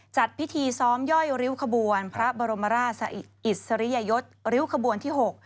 จัดพิธีซ้อมย่อยริ้วขบวนพระบรมราชอิสริยยศริ้วขบวนที่๖